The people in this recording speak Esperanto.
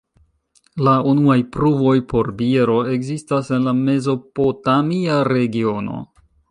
La unuaj pruvoj por biero ekzistas en la mezopotamia regiono.